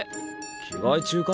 着替え中か？